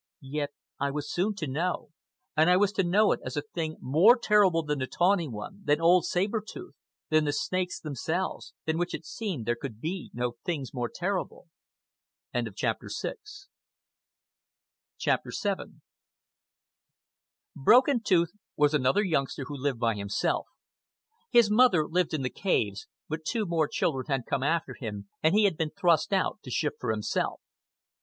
Yet I was soon to know, and I was to know it as a thing more terrible than the Tawny One, than old Saber Tooth, than the snakes themselves, than which it seemed there could be no things more terrible. CHAPTER VII Broken Tooth was another youngster who lived by himself. His mother lived in the caves, but two more children had come after him and he had been thrust out to shift for himself.